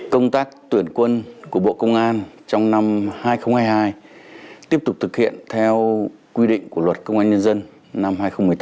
công tác tuyển quân của bộ công an trong năm hai nghìn hai mươi hai tiếp tục thực hiện theo quy định của luật công an nhân dân năm hai nghìn một mươi tám